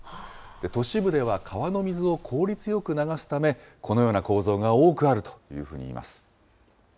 都市部では川の水を効率よく流すため、このような構造が多くあるというふうにいいます。